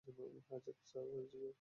Hijack হয়েছে sir.